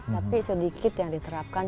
tapi sedikit yang diterapkan